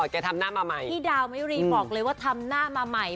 ทำหน้ามาใหม่พี่ดาวมิรีบอกเลยว่าทำหน้ามาใหม่